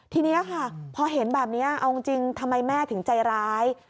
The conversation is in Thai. ทีนี้ค่ะพอเห็นแบบนี้เอาจริงทำไมแม่ถึงใจร้าย